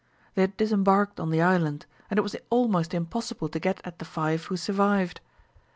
They had disembarked on the island, and it was almost impossible to get at the five who survived.